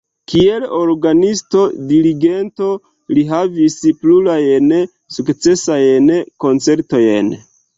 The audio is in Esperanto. Kiel orgenisto, dirigento li havis plurajn sukcesajn koncertojn.